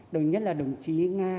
đầu nhất là đồng chí nga